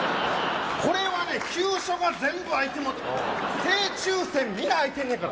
これはね、急所が全部空いてもうて、正中線皆あいてんねんから。